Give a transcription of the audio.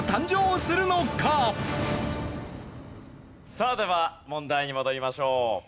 さあでは問題に戻りましょう。